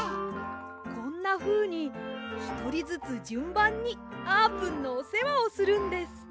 こんなふうにひとりずつじゅんばんにあーぷんのおせわをするんです！